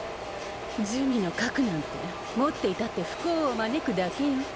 珠魅の核なんて持っていたって不幸を招くだけよ。